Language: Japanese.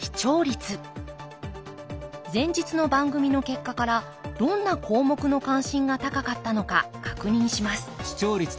前日の番組の結果からどんな項目の関心が高かったのか確認します。